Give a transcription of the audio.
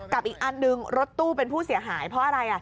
อีกอันหนึ่งรถตู้เป็นผู้เสียหายเพราะอะไร